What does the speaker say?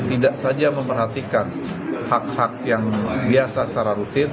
tidak saja memperhatikan hak hak yang biasa secara rutin